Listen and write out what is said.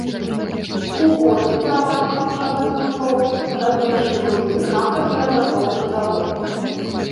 У горадзе, пераважна сучаснай забудовы, размешчаны буйны нафтаперапрацоўчы завод.